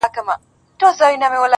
د يويشتمي پېړۍ شپه ده او څه ستا ياد دی.